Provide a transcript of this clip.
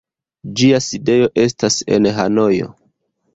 Ĝia sidejo estas en Hanojo.